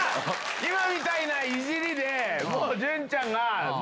今みたいないじりでもう潤ちゃんが。